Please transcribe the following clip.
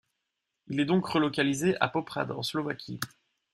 Il est donc relocalisé à Poprad en Slovaquie.